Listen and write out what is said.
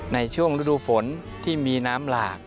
ในช่วงฤดูฝนที่มีน้ำหลาก